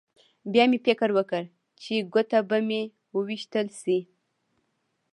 بیا مې فکر وکړ چې ګوته به مې وویشتل شي